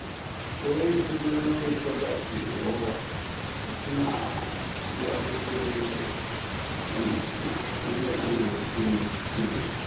応援してくれる人たちを、こっちが選択する権利っていうのはほとんどないんですよ。ね。